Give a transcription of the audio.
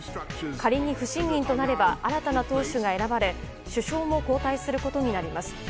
仮に不信任となれば新たな党首が選ばれ首相も交代することになります。